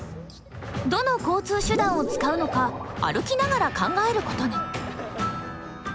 どの交通手段を使うのか歩きながら考えることに。